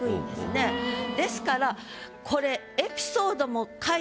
ですからこれ。